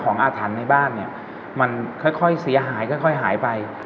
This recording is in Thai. ในบ้านมันค่อยเสียหายค่อยหายไป